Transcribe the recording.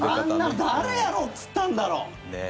あんな誰やろうって言ったんだろう。